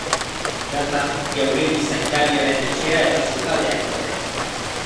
Bertan jauregi-zaindariaren etxea eta sukaldeak daude.